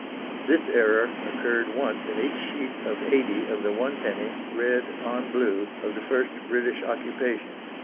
This error occurred once in each sheet of eighty of the 1d., red on blue, of the first British Occupation.